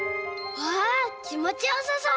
わあきもちよさそう！